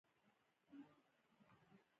انار د کندهار مشهوره میوه ده